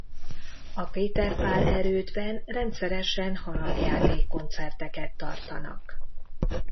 A Péter–Pál-erődben rendszeresen harangjáték-koncerteket tartanak.